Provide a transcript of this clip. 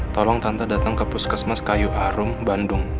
tolong tante datang ke puskesmas kayu arum bandung